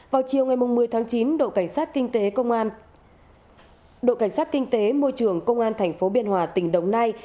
vào chiều ngày một mươi tháng chín đội cảnh sát kinh tế môi trường công an thành phố biên hòa tỉnh đồng nai